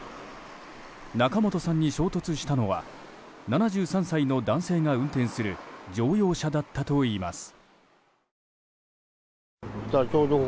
仲本さんに衝突したのは７３歳の男性が運転する乗用車だったといいます。